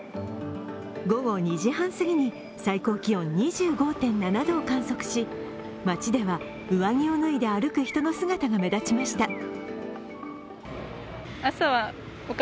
午後２時半すぎに最高気温２５．７度を観測し街では上着を脱いで歩く人の姿が目立ちました。